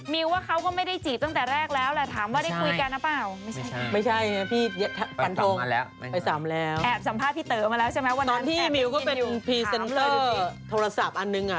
ว่าเขาก็ไม่ได้จีบตั้งแต่แรกแล้วแหละถามว่าได้คุยกันหรือเปล่า